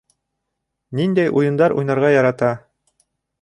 Ниндәй уйындар уйнарға ярата?